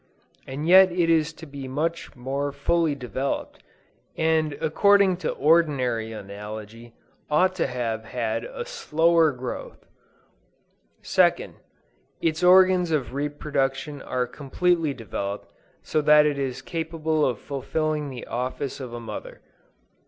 And yet it is to be much more fully developed, and according to ordinary analogy, ought to have had a slower growth! 2d. Its organs of reproduction are completely developed, so that it is capable of fulfilling the office of a mother.